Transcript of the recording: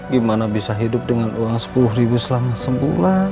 gimana bisa hidup dengan uang sepuluh ribu selama sebulan